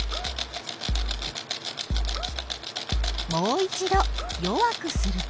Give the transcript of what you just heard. もう一ど弱くすると？